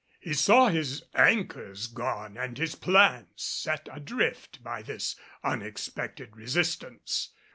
He saw his anchors gone and his plans set adrift by this unexpected resistance.